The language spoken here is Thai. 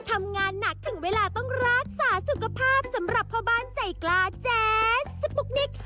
ทำงานหนักถึงเวลาต้องรักษาสุขภาพสำหรับพ่อบ้านใจกล้าแจ๊สสปุ๊กนิก